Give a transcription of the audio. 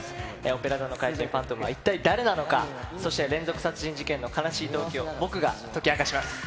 オペラ座の怪人、ファントムは一体誰なのか、そして連続殺人事件の悲しい動機を僕が解き明かします。